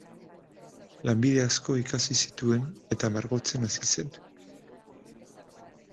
Lanbide asko ikasi zituen eta margotzen hasi zen.